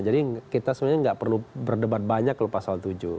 jadi kita sebenarnya tidak perlu berdebat banyak kalau pasal tujuh